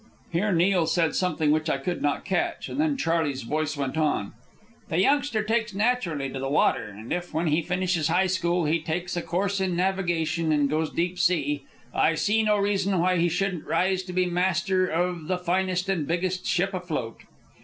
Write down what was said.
Here Neil said something which I could not catch, and then Charley's voice went on: "The youngster takes naturally to the water, and if, when he finishes high school, he takes a course in navigation and goes deep sea, I see no reason why he shouldn't rise to be master of the finest and biggest ship afloat."